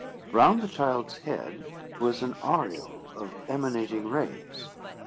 Round the child's head was an aureole of emanating rays.